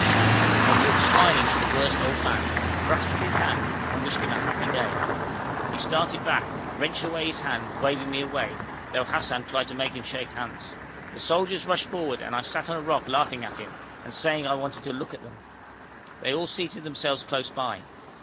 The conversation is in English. I walked smiling to the worst old man, grasped his hand, and wished him a happy day. He started back, wrenched away his hand, waving me away, though Hassan tried to make him shake hands. The soldiers rushed forward, and I sat on a rock laughing at him, and saying I wanted to look at them. They all seated themselves close by.